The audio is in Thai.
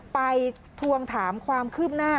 ทวงถามความคืบหน้า